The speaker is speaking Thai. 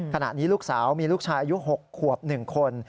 ขณะนี้ลูกสาวมีลูกชายอายุ๖ขวบ๑คน